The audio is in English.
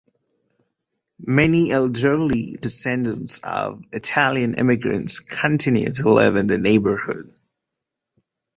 Many elderly descendants of Italian immigrants continue to live in the neighborhood.